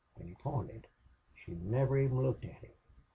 an' he pointed. She niver even looked at him.